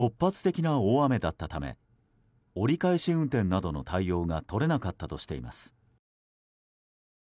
ＪＲ東海は突発的な大雨だったため折り返し運転などの対応が取れなかったとしています。